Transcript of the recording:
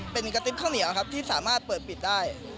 เป็นกระติบข้าวเหนียวครับที่สามารถเปิดปิดได้